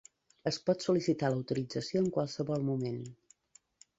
Es pot sol·licitar l'autorització en qualsevol moment.